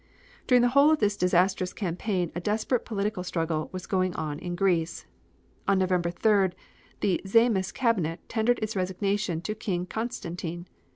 During the whole of this disastrous campaign a desperate political struggle was going on in Greece. On November 3rd, the Zaimis Cabinet tendered its resignation to King Constantine.